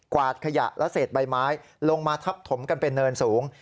วาดขยะและเศษใบไม้ลงมาทับถมกันเป็นเนินสูง